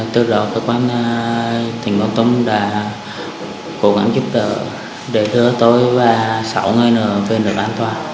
từ đó cơ quan tỉnh văn tùng đã cố gắng giúp đỡ đời thưa tôi và sáu người nơi nơi về nơi an toàn